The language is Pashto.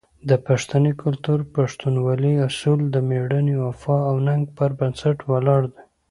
د پښتني کلتور "پښتونولي" اصول د مېړانې، وفا او ننګ پر بنسټ ولاړ دي.